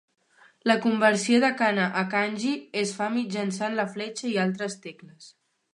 La conversió de kana a kanji es fa mitjançant la fletxa i altres tecles.